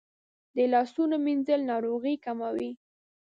د لاسونو مینځل ناروغۍ کموي.